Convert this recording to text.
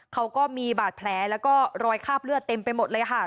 เขาก็มีบาดแผลแล้วก็รอยคราบเลือดเต็มไปหมดเลยค่ะ